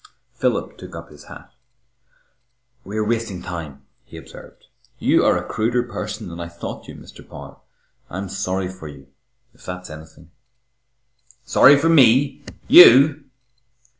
Philip took up his hat. "We are wasting time," he observed. "You are a cruder person than I thought you, Mr. Power. I am sorry for you, if that's anything." "Sorry for me? You?"